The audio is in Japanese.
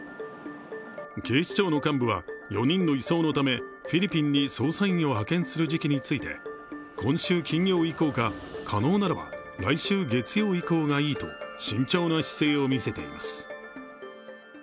警視庁の幹部は４人の移送するためフィリピンに捜査員を派遣する時期について今週金曜か可能ならば来週月曜以降がいいと慎重な姿勢を見せています。